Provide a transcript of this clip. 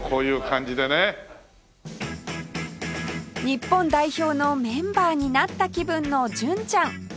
日本代表のメンバーになった気分の純ちゃん